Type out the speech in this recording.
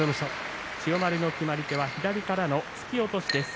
千代丸の決まり手は左からの突き落としです。